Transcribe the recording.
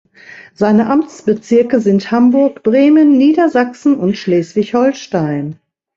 Seine Amtsbezirke sind Hamburg, Bremen, Niedersachsen und Schleswig-Holstein.